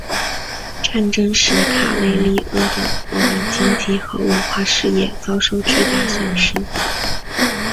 战争使卡累利阿的国民经济和文化事业遭受巨大损失。